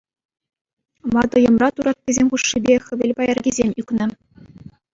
Ватӑ йӑмра тураттисем хушшипе хӗвел пайӑркисем ӳкнӗ.